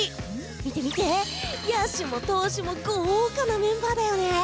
見て見て、野手も投手も豪華なメンバーだよね！